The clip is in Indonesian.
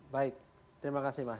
baik terima kasih mas